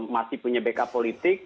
masih punya backup politik